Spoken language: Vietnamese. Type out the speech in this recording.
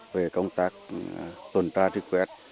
về công tác tuần tra truy quét